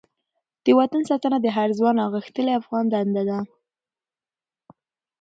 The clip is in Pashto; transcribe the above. د وطن ساتنه د هر ځوان او غښتلې افغان دنده ده.